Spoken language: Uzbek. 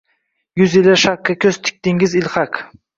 Yuz yillar Sharqqa ko’z tikdingiz ilhaq